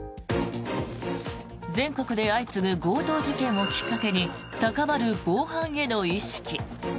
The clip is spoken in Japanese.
全国で相次ぐ強盗事件をきっかけに高まる防犯への意識。